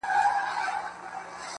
اور او اوبه یې د تیارې او د رڼا لوري~